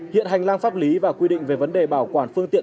hiện hành lang pháp lý và quy định về vấn đề bảo quản phương tiện